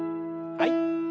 はい。